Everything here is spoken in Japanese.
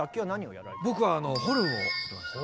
僕はホルンを吹いてました。